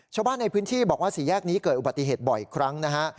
ชาวบ้านในพื้นที่บอกว่าสี่แยกนี้เกิดอุบัติเหตุบ่อยครั้งนะฮะ